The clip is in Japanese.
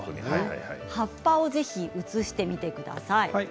葉っぱをぜひ映してみてください。